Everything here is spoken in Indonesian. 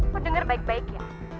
lo denger baik baik ya